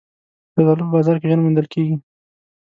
زردالو په بازار کې ژر موندل کېږي.